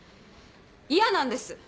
嫌なんです！